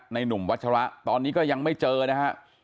หนุ่มวัชระตอนนี้ก็ยังไม่เจอนะฮะ